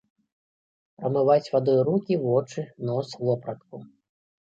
Прамываць вадой рукі, вочы, нос, вопратку.